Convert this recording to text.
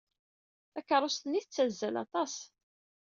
Takeṛṛust-nni tettazzal aṭas.